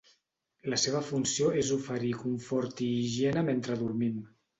La seva funció és oferir confort i higiene mentre dormim.